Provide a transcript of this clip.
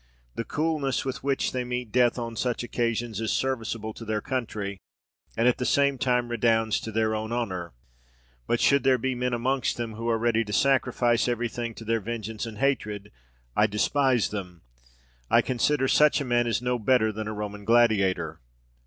The coolness with which they meet death on such occasions is serviceable to their country, and at the same time redounds to their own honour; but should there be men amongst them who are ready to sacrifice every thing to their vengeance and hatred, I despise them. I consider such a man as no better than a Roman gladiator.